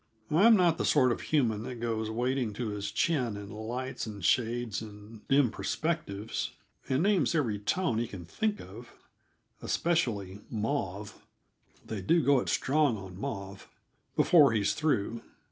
I'm not the sort of human that goes wading to his chin in lights and shades and dim perspectives, and names every tone he can think of especially mauve; they do go it strong on mauve before he's through.